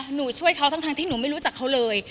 หนูช่วยเขาทั้งที่หนูไม่รู้จักเขาเลย